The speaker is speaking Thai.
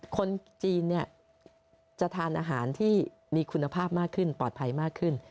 คนจีนจะทานอาหารที่มีคุณภาพมากขึ้นปลอดภัยมากขึ้น